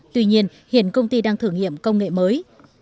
tuy nhiên hiện công ty đang thử nghiệm công nghệ mới